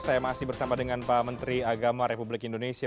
saya masih bersama dengan pak menteri agama republik indonesia